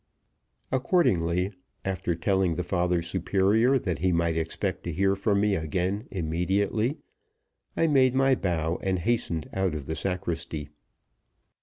Accordingly, after telling the father superior that he might expect to hear from me again immediately, I made my bow and hastened out of the sacristy.